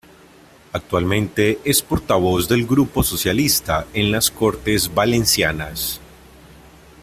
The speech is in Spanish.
Actualmente es Portavoz del Grupo Socialista en las Cortes Valencianas.